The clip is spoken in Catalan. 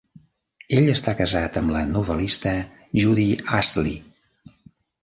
Ell està casat amb la novel·lista Judy Astley.